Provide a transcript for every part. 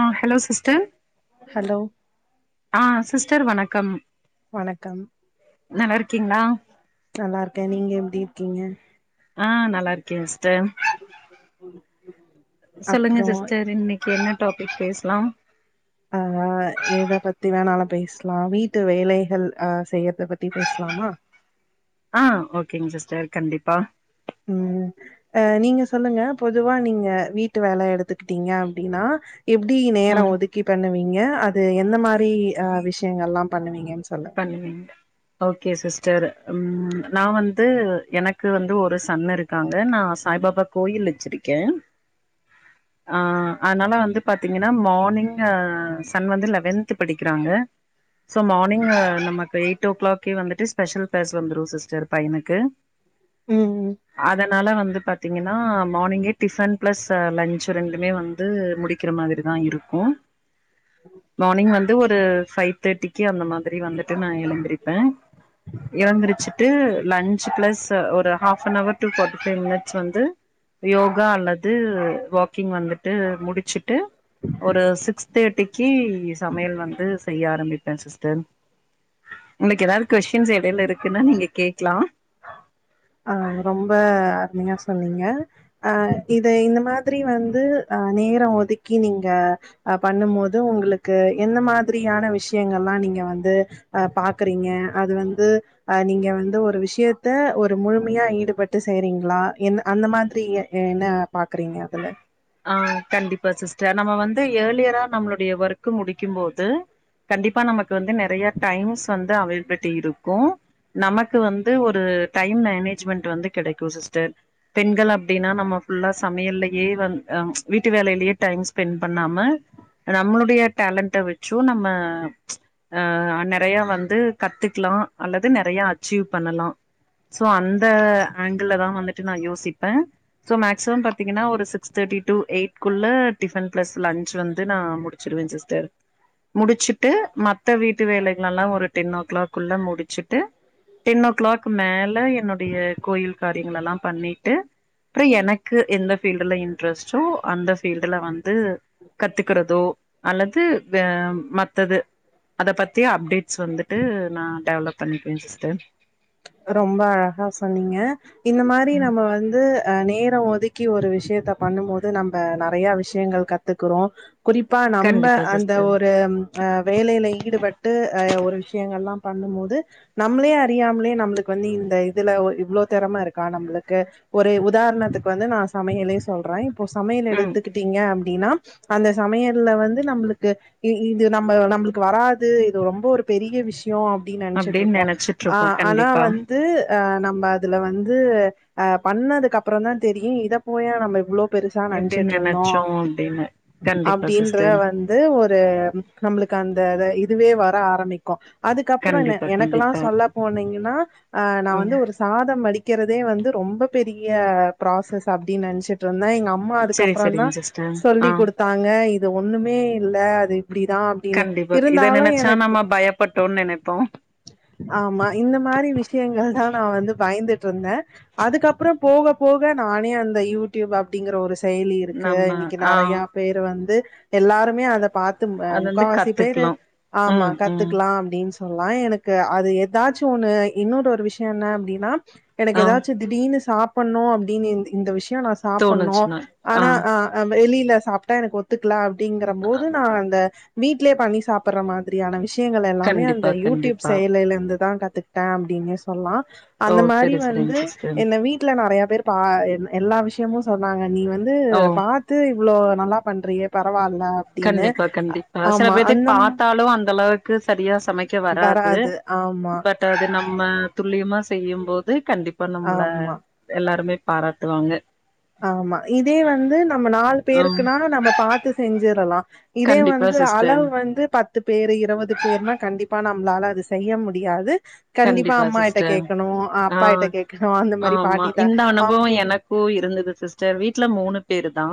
ஆஹ hello sister hello ஆ sister வணக்கம் வணக்கம் நல்லா இருக்கீங்களா நல்லா இருக்கேன் நீங்க எப் ப்டி இருக்கீங்க ஆஹ நல்லா இருக்கேன் சிஸ்டர். சொல்லுங்க அப்றோ சிஸ்டர் இன்னிக்கு என்ன டாபிக் பேஸ் லாம் ஹ எத பத்தி வேணாலும் பேசலாம் வீட்டு வேலைகள் அஹ செய்யறத பத்தி பேசலாமா ஆ ஓகேங்க சிஸ்டர் கண்டிப்பா உம் ஹ நீங்க சொல்லுங்க பொதுவா நீங்க வீட்டு வேல எடுத்துக்கிட்டீங்க அப்டினா எப்டி நேரம் ம் ஒதுக்கி பண்ணுவீங்க அது என் ந்த மாரி ஹ விஷயங்கள் ல்லாம் பண்ணுவீங்க பன்னுவீங்க ஓகே சிஸ்டர் ம் நா வந்து எனக்கு வந்து ஒரு சன் இருக்காங்க நான் சாய்பாபா கோயில் வச்சிருக்கேன் அதனால வந்து பார்த்தீங்கன்னா மார்னிங் சன் வந்து லெவன்த் படிக்கிறாங்க சோ மார் நீங்க நமக்கு எயிட் ஓ கிளாக்கே வந்துட்டு ஸ்பெஷல் க்ளாஸ் வந்துரும் சிஸ்டர் பையனுக்கு உம் ம் அதனால வந்து பாத்தீங்கன்னா மார்னிங்கே டிஃபன் பிளஸ் லஞ்சு ரெண்டுமே வந்து முடிக்கிற மாதிரி தான் இருக்கும் மானிங் வந்து ஒரு ஃபைவ் தேர்ட்டி [unintelligible] திரி வந்துட்டு நா எழுந்திருப்பேன் எழுந்திரிச்சுட்டு லஞ்ச் பிளஸ் ஒரு half an hour to forty five minutes வந்து யோகா அல்லது வாக்கிங் வந்துட்டு முடிச்சுட்டு ஒரு சிக்ஸ் தேர்டி [unintelligible] சமையல் வந்து செய்ய ஆரம்பிப்பேன் சிஸ்டர் உங்களுக்கு எதாவது கொஸ்டீன்ஸ் எடைல இருக்குன்னா நீங்க கேக்கலா ஆ ரொம்ப அருமையா சொன்னீங்க அ இது இந்த மாதிரி வந்து அ நேரோ ஒதுக்கி நீங்க அ பண்ணும் போது உங்களுக்கு என்ன மாதிரியான விஷயங்கள்லா நீங்க வந்து அ பாக்குறீங்க அது வந்து அ நீங்க வந்து ஒரு விஷ்யத்த ஒர் முழுமையா ஈடுபட்டு செய்றீங்களா என் அந்த மாதிரி என்ன பாக்குறீங்க அதுல ஆ கண்டிப்பா சிஸ்டர் நம்ம வந்து ஏலியரா நம்மளுடைய ஒர்க்கு முடிக்கும் போது கண்டிப்பா நம்ம வந்து நெறைய டைம்ஸ் வந் அவேலபிட்டி இருக்கு நமக்கு வந்து ஒரு டைம் மேனேஜ்மெண்ட் வந்து கெடைக்கு சிஸ்டர் பெண்கள் அப்டின்னா நம ஃபுல்லா சமையல்லே வந் ஹ வீட்டு வேலைலயே டைம் ஸ்பெண்ட் பண்ணாம நம்மளுடைய டேலண்ட வச்சும் நம்ம ஆ நெறய வந்து கத்துக்கலா அல்லது நெறய அச்சீவ் பண்ணலா சோ அந்த ஆங்கிள் தா வந்துட்டு நா யோசிப்பேன் சோ மேக்சிமம் பாத்தீங்கன்னா ஒரு சிக்ஸ் தேட்டி டூ எயிட் குள்ள டிஃபன் பிளஸ் லஞ்ச் வந்து நா முடுச்சுருவ சிஸ்டர் முடுச்சுட்டு மத்த வீட்டு வேலைகள் எல்லா ஒரு டென் ஓ கிளாக் குள்ள முடுச்சுட்டு டென் ஓ கிளாக் மேல என்னுடைய கோயில் காரியங்கள் எல்லா பண்ணிட்டு அப்றோ எனக்கு எந்த ஃபீல்டுல இன் இன்டிரஸ்டு அந்த ஃபீல்டுல வந்து கத்துக்குறதோ அல்லது மத்தது அத பத்தி அப்டேட்ஸ் வந்துட்டு நா டெவலப் பண்ணிபே சிஸ்டர் ரொம்ப அழகா சொன்னீங்க இந்த மாரி நம்ம வந்து அ நேரோ ஒதுக்கி ஒரு விஷ்யத்த பண்ணும் போது நம்ப நெறைய விஷ்யங்கள் கத்துக்குறோ குறிப்பா நம்ப கண்டிப்பா அந்த சிஸ்டர் ஒரு அ வேலைல ஈடுபட்டு அ ஒரு விஷ்யங்கல்லாம் பண்ணும் போது நம்ளே அறியாமலே நம்ளு இதுக்கு வந்து இந்த இதுல இவ்ளோ தெறம இருக்கா நம்மளுக்கு ஒரு உதாரணத்துக்கு வந்து நா சமையலே சொல்ற போ சமையல் ம் எடுத்துக்கிட்டீங்க அப்டின்னா அந்த சமையல்ல வந்து நம்பளுக்கு இது நம்ம நம்புளுக்கு வராது இது ரொம்ப ஒரு பெரிய விஷ் யோ அப்டின்னு நெனச்சிட்டு இருப்போ நெனச்சிட்டு ஆ இருப்போ ஆனா கண்டிப்பா வந் து அ நம்ம அதுல வந்து அ பண்ணதுக்கு அப்புறோதா தெரியு இத போயா நம்ம இவ்ளோ பெருசா எப்டி நெனச்சுட்டு இருந்தோ நெனச்சோ அப்டின்னு கண்டிப்பா அப்டின்றத சிஸ்டர் வந்து ஒரு நம்மளுக்கு அந் அந்த அத இதுவே வர ஆரம்மிக்கு அதுக்கப்புறோ என்ன கண்டிப்பா எனக்கெல்லா கண்டிப்பா சொல்ல போனீங்கன்னா அ நா ம் வந்து ஒரு சாதம் படிக்குறதே வந்து ரொம்ப பெரிய ப்ராசஸ் அப்டின்னு நெனச்சு ருந்தே எங்க அம்மா செரி அதுக்கப்றோ தா செரிங்க சிஸ்டர் சொல்லி ஆ குடுத்தாங்க இது ஒண்ணுமே இல்ல அப்டிதா அப்டின்னு கண்டிப்பா இத இருந்தாலு நெனச்சா எனக்கு நம்ம பயப்பட்டோன்னு நெனைப்போ ஆமா இந்த மாரி விஷ் ங்கள்தா நா வந்து பா பயந்துட்டு இருந்தே அதுக்கப்றோ போக போக நானே அந்த யூடியூப் அப்டிங்கற ஒரு செயலி இருக்கு நம்ம இன்னிக்கு ஆ நறையா பேரு வந்து எல்லாருமே அத பாத்து அ அது வந்து முக்காவாசி பேரு கத்துக்கலா ஆமா ம் ம் கத்துக்கலா அப்டின்ஸ் சொல்லா எனக்கு அது எதாச்சு ஒண்ணு இன்னோர் ஒரு விஷ்யோ என்ன அப்டின்னா எனக்கு ஆ ஏதாச்சு திடீர்னு சாப் பண்ணு அப்டின்னு இந் இந்த விஷ் த்தியு நா சாப்பன்னு தோணுச்சுன்னா ஆ ஆனா அ அம் வெளில சாப்டா எனக்கு ஒத்துகலா அப்டீங்கற போது நா அந்த வீட்லயே பண்ணி சாப்படுற மாதிரியான விஷ் விஷயங்கலெல்லாமே அந்த கண்டிப்பா யூடிப் கண்டிப்பா செயலில இருந்துதா கத் ட்டா அப்டின்னே சொல்லாம் ஓ அந்த மாரி செரி செரிங்க வந்து சிஸ்டர் என்ன வீட்ல நெறைய [inaudible] பா எல்லா விஷயமு சொன்னாங்க நீ வந்து ஓ பாத்து இவ்ளோ நல்லா பன்றியே பரவா கண்டிப்பா கண்டிப்பா சில பேத்த அந்த ம், பாத்தாலு அந்த அளவுக் க்கு சரியாஸ் சமைக்க வராது பட் அது நம்ம துல்லியமா செய்யும்போத் கண்டிப்பா நம்மள ஆமா எல்லாருமே பாராட்டுவாங்க ஆமா இதே வந்து நம்ம நாலு ஆ பேருக்குனா நம்ம பாத்து செஞ்சிடுலா இதே கண்டிப்பா வந்து சிஸ்டர் அளவு வந்து பத்து பேரு இருபது பேர்னா கண்டிப்பா நா நம்மளால அது செய்ய முடியாது கண்டிப்பா அம்மாகிட்ட கேக்கணு அ ஆ அப்பாகிட்ட கேக்கணு அந்த மாரி ஆமா பாட்டி தா இந்த அவுங்க அனுபவோ கேட்டு எனக்கு [unintelligible] வீட்ல மூணு பேருதா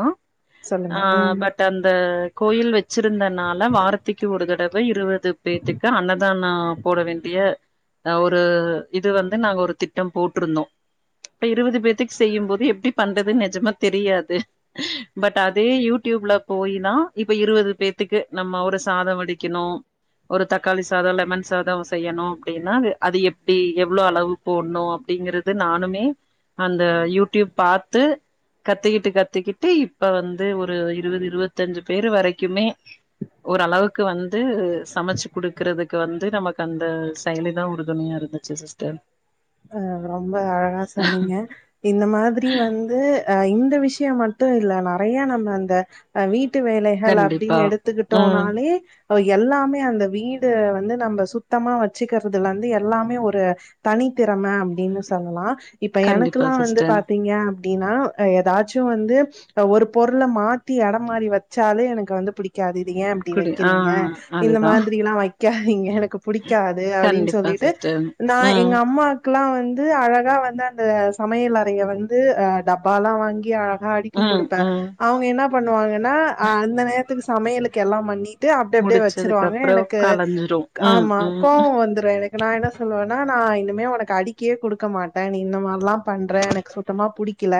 சொல்லுங்க. ஆ ம். பட் அந்த கோயில் வச் வச்சிருந்தனால வாரத்திக்கி ஒரு தடவ் வை இருபத் [inaudible] பேத்துக்கு அன்னதானோ போட வேண்டிய ஆ ஒரு இது வந்து நாங்க ஒரு திட்டம் போட்ருந்தோ இப்ப இருபது பேத்துக்கு செய்யும்போது எப்டி பண்றதுன்னு நெஜமா தெரியாது பட் அதே யூடிப்ல போயிதா இப்ப இருபது பேத்துக்கு நம்ம ஒரு சாதம் வடிக்கணு ஒரு தக்காளி சாதோ லெமன் சாதோ செய்யணு அப்டின் ன்னா அது அது எப்டி எவ்ளவு அளவு போட்ணு அப்டிங்கிறது நானுமே அந்த யூடிப் பாத்து கத்துக்கிட்டு-கத்துக்கிட்டு இப்ப வந்து ஒரு இருபது இருபத்தஞ்சு பேரு வரைக்குமே ஒரு அளவுக்கு வந்து சமைச்சு குடுக்கறதுக்கு வந்து நமக்கு அந்த [inaudible] தா உறுதுணையா இருந்துச்சு சிஸ்டர் ஆ ரொம்ப அழகா சொன்னீங்க இந்த மாதிரி வந்து ஆ இந்த விஷயோ மட்டு இல்ல நெறைய நம்ம அந்த ஆ வீட் வீட்டு வேலைகள் கண்டிப்பா அப்டின்னு ம் எடுத்துக்கிட்டோனாலே ப்ப எல்லாமே அந்த வீடு வந்து நம்ம சுத்தமா வச்சுகிறதுலருந்து எல்லாமே ஒரு தனி திறம அப்டின்னு சொல்லலா இப்ப கண்டிப்பா எனக்கெல்லா வந்து சிஸ்டர் பாத்தீங்க அப்டினா அ ஏதாச்சு வந்து அ ஒரு பொருள மாத்தி எடோ மாறி வச்சாலே எனக்கு வந்து பிடிக்காது இது ஏன் இப்டி குடி ஆ வைக்கறீங்க இந்த அதுதா மாதிரி எல்லா வைக் கியா இல்லிங்க எனக்கு புடிக்காது அப்டின்னு கண்டிப்பா சொல்லிட்டு சிஸ்டர் நா ம் எங்க அம்மா அதுக்குலா வந்து அழகா வந்து அந்த சமயல் அறைய வந்து அஹ் டப்பால்லா வாங்கி அழகா நா அடிக்கி ம் குடுப்பே ம் அவங்க என்ன பண்ணுவாங்க நா அந்த நேர [unintelligible] சமையலுக்கு எல்லா பண்ணி டு அப்ட அப்டியே முடிச்சதுக்கு வெச்சருவாங்க அப்றோ எனக்கு கலஞ்சிரு ம் ஆமா ம் கோவம் வந்துரோ எனக்கு நா என்ன சொல்லுவேன்னா நா மே உனக்கு கா அடிக்கியே குடுக்க மாட்டே நீ இந்த மார்லா பண்ற எனக்கு சுத்தமா புடிக்கல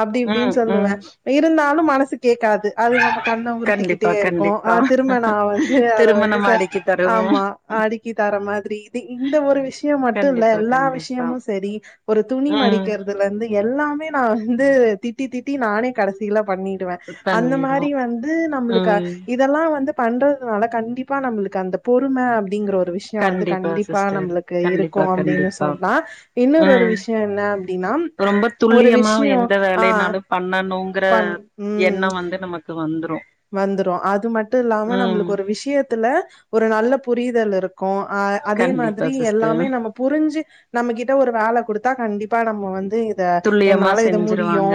அப்டி இப்டின்னு ம் சொல்லுவ ம் இருந்தாலோ மனசுக்கு கேக்காது அது நம்ம கண்ண உறுத்திக்கிட்டே கண்டிப்பா இருக்கோ கண்டிப்பா ஆஹ் திரும நா வந்து அத திரும்ப வந்து நம்ம அடுக்கி தருவோ ஆமா அடுக்கி தர மாதிரி இது இந்த ஒரு விஷியோ மட்டு இல்ல கண்டிப்பா எல்லா கண்டிப்பா [unintelligible] செரி ஒரு துணி ம் மடிக்கிறதுலருந்து எல்லாமே நா வந்து திட்டி திட்டி நானே கடைசியில பண்ணிடுவே அந்த பண்ணிருவோ மாரி வந்து நம்ளுக்கு ம் இதெல்லா வந்து பண்றதுனால கண்டிப்பா நம்மளுக்கு அந்த பொறுமை அப்டிங்ற விஷியோ வந்து கண்டிப்பா சிஸ்டர் நம்மளுக்கு இருக்கோ கண்டிப்பா அப்டின்னு கண்டிப்பா சொல் ஆஹ் இன்னொரொரு ம் விஷியோ என்ன அப்டின்னா ரொம்ப ஒரு துல்லியமா விஷியோ எந்த ஆஹ் வேலைனாலு பண்ணணுங்கற பண் உம் எண்ணோ வந்து நமக்கு வந்துரு வந்துரோ அது மட்டோ இல்லாம நம்மளுக்கு ம் ஒரு விஷியத்துல ஒரு நல்ல புரி [unintelligible] புரிதலிருக் கோ ஹ அதே கண்டிப்பா மாதிரி சிஸ்டர் எல்லாமே நம்ம புரிஞ்சி நம்ம கிட்ட ஒரு வே குடுத்தா கண்டிப் கண்டிப்பா நம்ம வந்து து இத துல்லியமா என்னால இத முடியோ செஞ்சிருவாங்க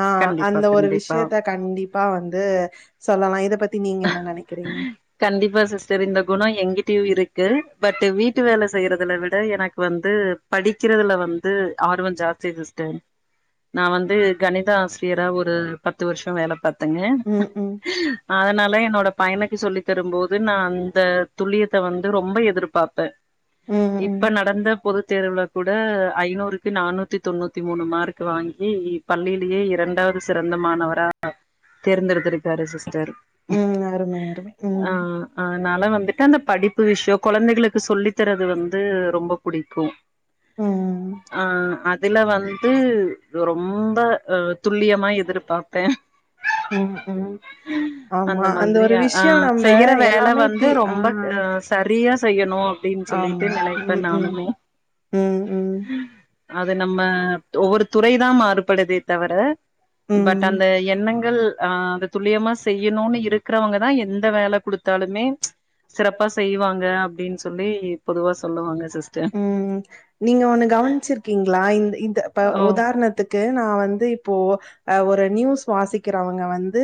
ஆஹ் கண்டிப்பா அந்த ஒரு கண்டிப்பா விஷியத்த கண்டிப்பா வந்து [unintelligible] லா இதபத் கண்டிப்பா சிஸ்டர் இந்த குணோ எங்கிட்டயோ இருக்கு பட் வீட்டு வேல செய்யுறதுல விட எனக்கு வந்து படிக்கிறதுல வந்து ஆர்வம் ஜாஸ்தி சிஸ்டர் நா வந்து கணித ஆசிரியரா ஒரு பத்து வருஷோ வேல பாத் ம் ம் [unintelligible] அதனால என்னோட பையனுக்கு சொல்லி தருமோது நா அந்த துல்லியத்த வந்து ரொம்ப எதிர்பார்ப்பே ம் ம் இப்ப நடந்த பொது தேர்வுல [unintelligible] கூட ஐநூறுக்கு நானூத்தி தொண்ணூத்தி மூணு மார்க்கு வாங்கி பள்ளியிலயே இரண்டாவது சிறந்தமாணவரா தேர்ந்தெடுத்திருக்காரு சிஸ்டர் ம் அருமை அருமை ம் ஆஹ் ஆஹ் நாலா வந்து [unintelligible] அந்த படிப்பு விஷ்யோ கொழந்தைகளுக்கு சொல்லித்தரது வந்து ரொம்ப புடிக்கும் ம் ஆஹ அது இதுல வந்து ரொம்ப அஹ துல்லியமா எதிர்பார்ப்பேன் ம் ம் அந்த ஆமா ஒரு மாதிரியா விஷயம் ஆஹ நம்ப செய்யற வேல எல்லாமே வந்து தி ஆ ரொம்ப அஹ சரியா செய்யணும் அப்டினு சொல்லிட்டு ஆமா ம் நனைப்பேன் ம் நானுமே ம் ம் அது நம்ம தோரு துறைதான் மாறுபடுதே தவற பட் ம் அந்த எண்ணங்கள் ஆஹ அத துல்லியமா செய் ன்னொன்னு இருக்கிறவங்கதான் எந்த வேல குடுத்தாலுமே சிறப்பா செய்வாங்க அப்டின்னு சொல்லி பொதுவா சொல்லுவாங்க சிஸ்டர் உம் நீங்க ஒண்ணு கவனிச்சிருக்கீங்களா இந்த - இந்த இப்ப ஓ உதாரணத்துக்கு நான் வந்து இப்போ ஒரு நியூஸ் வாசிக்கிறவங்க வந் து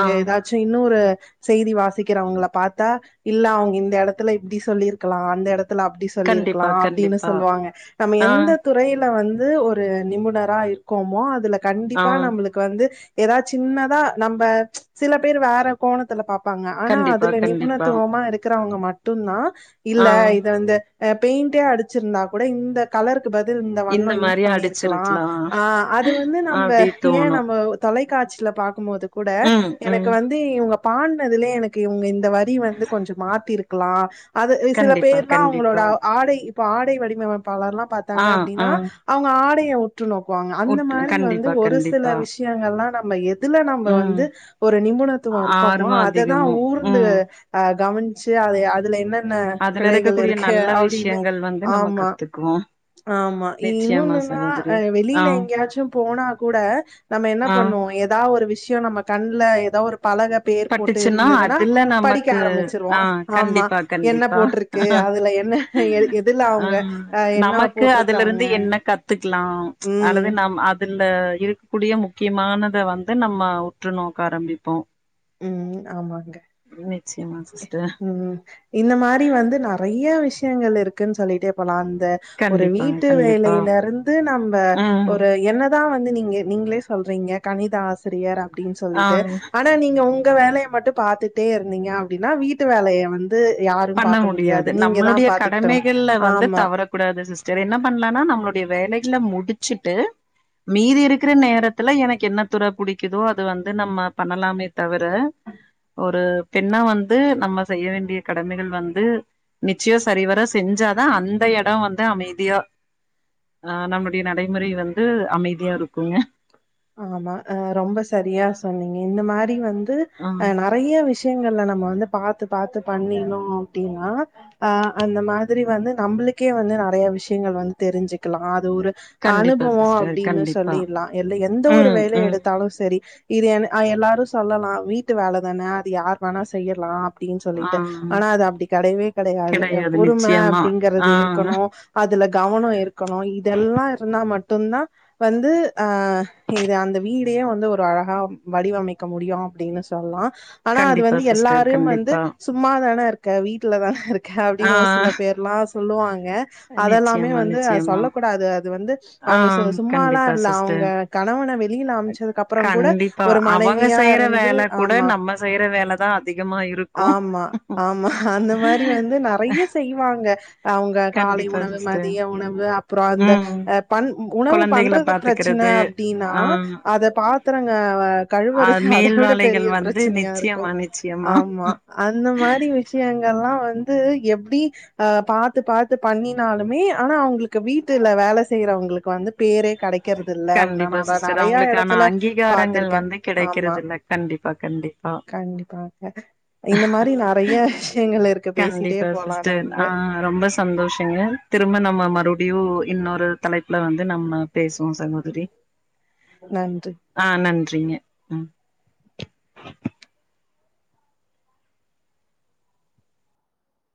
ஆ ஏதாச்சும் இன்னும் ஒரு செய்தி வாசிக்கிறவங்கள பாத்தா இல்ல அவங்க இந்த எடத்துல இப்டி சொல்லிருக்கலாம் அந்த எடத் துல அப்டி சொல்லிருக் ஹ கண்டிப்பா அப்டின்னு கண்டிப்பா சொல்லுவாங்க நம்ம ஆ எந்த துறையில் [unintelligible] வந்து ஒரு நிபுணரா இருக்கோமோ அதுல ஆ கண்டிப்பா நம்மளுக்கு வந்து எதாச்சின்னதா நம்ம சில பேர் வேற கோணத்துல பாப் ப்பாங்க ஆனா கண்டிப்பா அதுல கண்டிப்பா நிபுணத்துவமா இருக்கிறவங்க மட் தூனா இல்ல ஆ இது வந்து எப் பெயிண்டே அடிச்சிருந்தா கூட இந்த கலர் பதில் இந்த வண்ணம் யூஸ் மாரி பண்ணியிருக்கலாம் அடிச்சிருக்கலா ஹ அது வந்து நம்ம அப்டி ஏன் தோணு நம்ம தொலைப் காட்சில பாக்குமோது கூட ம் எனக்கு ம் வந்து இவங்க பாட்னதுலே எனக்கு இவங்க இந் வரி வந்து கொஞ்சம் மாத்தி இருக்கு க்லாம் அது சில கண்டிப்பா பேர் தான் அவங்களோட கண்டிப்பா ஆடை இப்ப ஆடை வடிமைப் பலர்லாம் பாத்தாங்க ஆ ஆ அப்டின்னா அவங்க ஆடை [unintelligible] டு நோக்குவாங்க அந்த உட் மாதிரி வந்து கண்டிப்பா ஒரு சில கண்டிப்பா விஷயங்கல்லாம் நம் [unintelligible] இதுல நம்ம ம் வந்து ஒரு நிபுணத்துவம் இருக்கோமோ ஆர்வோ அததான் அதிகமு ஊர்ந்து ம் அஹ கவன் சு அது அதுல என்னென்ன அதுல பிழைகள் இருக்கக்கூடிய இருக்கு நல்ல விஷயங்கள் வந்து [unintelligible] நம்ம ஆமா கத்துக்குவோ - ஆமா நிச்சயமா இன்னொன்னுன்னா ஹ சகோதரி ஆ வெளியில எங்கேயாச்சும் போனா கூட நம்ம என்ன ஆ பண்ணோம் எதா ஒரு விஷயம் நம்ம கண்ணல ஏதோ ஒரு பலக பேர் போட்டு பட்டுச்சுன்னா இருந்ததுன்னா அதுல படிக்க நமக்கு ஆ ஆரம்பிச்சிருவோம் ஆமா கண்டிப்பா என்ன போட்டிருக்கு அதுல என்ன எ எதுல அவங்க ஆஹ அ என்ன நமக்கு அதுல போட்டிருக்காங்க இருந்து என்ன கத்துக்கலாம் ம் அல்லது நம் அதுல ல இருக்கக்கூடிய முக்கியமானத வந்து நம்ம உற்று நோக்க ஆரம்பிப்போம் உம் ஆமாங்க நிச்சயமா சிஸ்டர் உம் இந்தமாரி வந்து நறைய விஷயங்கள் இருக்கு க்குனு சொல்லிட்டே போலாம் ஒரு கண்டிப்பாங்க வீட்டு கண்டிப்பா வேலையில இருந்து நம்ம ம் ஒரு என்ன தான் வந்து நீங்க நீங்களே சொல்றீங்க கணித ஆசிரியர் அப்டின்னு ஆ சொல்லிட்டு ஆனா நீங் உங்க வேலையை மட்டும் பாத்துட்டே இருந்தீங்க அப்டின்னா வீட்டு வேலையை வந்து யாரும் பண்ண பாக்க முடியாது நீங்க தா நம்மளுடைய பாத்துக்கிட்டணு கடமைகள்ல வந்து ஆமா தவறக்கூடாது சிஸ்டர் என்ன பண்லானா நம்மளுடைய வேலை ல முடிச்சுட்டு மீதி இருக்கிற நேரத்துல எனக்கு என்ன துறை புடிக்குதோ அது வந்து நம்ம பண்ணலாமே தவிர ஒரு பெண்ணா வந்து நம்ம செய்ய வேண்டிய கடமைகள் வந்து நிச்சயம் சரிவர செஞ்சாதான் அந்த இடம் வந்து அமைதியா ஹ நம்மளுடைய நடைமுறை வந்து அமைதியா இருக்கும் ஆமா அஹ ரொம்ப சரியா சொன்னீங்க இந்த மாரி வந்து ஆ து நறைய விஷயங் [unintelligible] நம்ம வந்து பாத்து - பாத்து பண்ணினோம் அப்டின்னா அஹ அந்த மாதிரி வந்து நம்மளுக்கே வந்து நறையா விஷயங்கள் வந்து தெரிஞ்சுக்கலாம் அது ஒரு கண்டிப்பா அனுபவம் சிஸ்டர் அப்டின்னு கண்டிப்பா சொல்லிர்லாம் எல்லைய எந்த ஒரு ம் வேலை ம் எடுத்தாலும் சரி இது என் அஹ் எல்லாரும் சொல்லலாம் வீட்டு வேலதான அது யார் வேணா செய்யலாம் அப்டின்னு ஆ சொல்லிட்டு ஆனா அது அப்டி கெடையவே கெடையாது பொறும நிச்சயமா ஆ அப்படிங்கறிறது இருக்கணும் அதுல கவனம் இருக்கணும் இதெல்லாம் இருந்தா மட் தொன்னா வந்து ஆஹ இது அந்த வீடே வந்து ஒரு அழகா வடிவமைக்க முடியும் அப்டின்னு சொல்லாம் ஆனா அது கண்டிப்பா வந்து சிஸ்டர் எல்லாரையும் வந்து கண்டிப்பா சும்மாதான இருக்க வீட்டுல தான இருக் ஆ அப்டின்னு ஒரு சில பேர்லாம் சொல்லுவாங்க அதெல்லாமே நிச்சயமா வந்து நிச்சயமா சொல்ல கூடாது அது வந்து அவங்க சு சும்மலாம் இல்ல அவங்க கணவன வெளியில அ அம்ச்சதுக்கு அப்புறோ கூட கண்டிப்பா ஒரு அவுங்க மனைவியா செய்யற இருந்து வேல கூட நம்ம செய்யற வேலதா அதிகமா இருக் ஆமா-ஆமா அந்த மாரி வந்து நெறைய செய்வாங் ங்க அவுங்க காலை கண்டிப்பா உணவு சிஸ்டர். மதிய உணவு அப்றோ அந்த ம் அ பண் உணவு குழந்தைகள பண்றது பிரச்சன பாத்துக்கிறது அப்டின்னா ஆ அத பாத்திரங்க அ கழுவுறது அத மேல் விட வேலைகள் பெரிய வந்து பிரச்சனையா இருக்கு நிச்சயமா நிச்சயமா ஆமா அந்த மாரி விஷயங் அதெல்லா வந்து எப்டி ஆ பாத்து பாத்து பண்ணினாலுமே ஆனா அவுங்களுக்கு வீட்டுல வேல செய்யறவங்களுக்கு வந்து பேரே கெடைக்கிறது இல்ல நா கண்டிப்பா நா சிஸ்டர் நெறைய அவங்களுக்கான எடத்துல அங்கீகாரங்கள் பாத்துருக்கே வந்து ஆமா கிடைக்கிறது இல்ல கண்டிப்பா கண்டிப்பா. கண்டிப்பா இந்த மாரி நெறைய விஷயங்கள் இருக்கு பேசிட்டே கண்டிப்பா போலா சிஸ்டர் ஆ நம்ம ம மறுபடியு இன்னொரு தலைப்புல வந்து நம் பேசுவோ சகோதரி நன்றி ன்றிங்க ம்